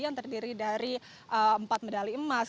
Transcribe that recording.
yang terdiri dari empat medali emas